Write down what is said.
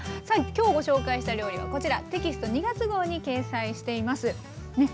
さあ今日ご紹介した料理はこちらテキスト２月号に掲載しています。